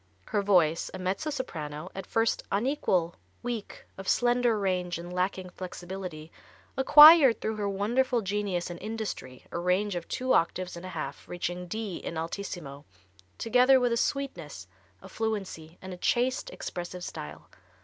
Her voice, a mezzo soprano, at first unequal, weak, of slender range and lacking flexibility, acquired, through her wonderful genius and industry a range of two octaves and a half, reaching D in altissimo, together with a sweetness, a fluency, and a chaste, expressive style.